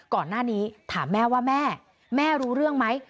ก่อนหน้านี้ถามแม่ว่าแม่แม่รู้เรื่องไหม